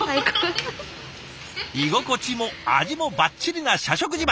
居心地も味もバッチリな社食自慢。